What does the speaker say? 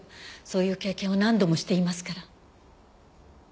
そういう経験を何度もしていますから。